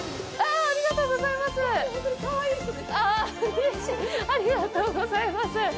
ありがとうございます！